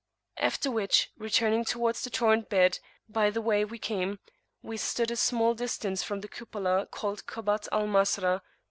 After which, returning towards the torrent bed by the way we came, we stood a small distance from a cupola called Kubbat al Masra.